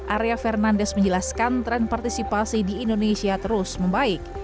arya fernandes menjelaskan tren partisipasi di indonesia terus membaik